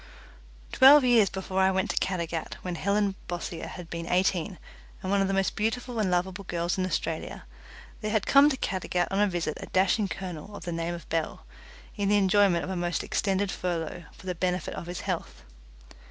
Twelve years before I went to Caddagat, when Helen Bossier had been eighteen and one of the most beautiful and lovable girls in Australia, there had come to Caddagat on a visit a dashing colonel of the name of Bell, in the enjoyment of a most extended furlough for the benefit of his health.